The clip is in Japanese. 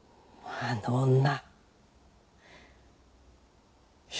あの女狐。